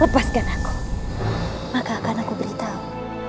lepaskan aku maka akan aku beritahu